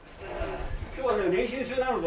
今日は練習中なので。